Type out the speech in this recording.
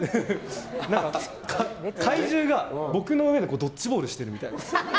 怪獣が僕の上でドッジボールしているみたいな。